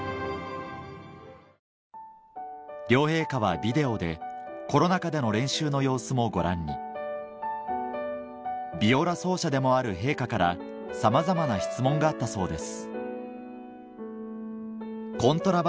両陛下はビデオでコロナ禍での練習の様子もご覧にビオラ奏者でもある陛下からさまざまな質問があったそうです